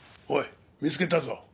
おい見つけたぞ。